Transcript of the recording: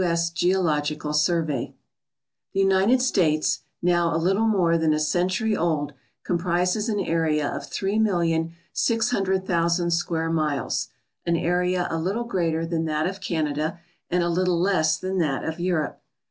S. Geological Survey The United States, now a little more than a century old, com prises an area of 3,600,000 square miles, an area a little greater than that of Canada and a little less than that of Europe.